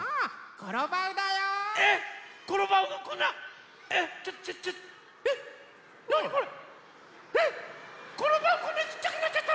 こんなちっちゃくなっちゃったの？